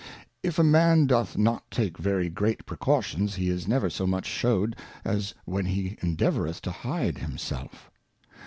If a Man doth not take very great Precautions, he is never so much shewed as when he endeavoureth to hide himself.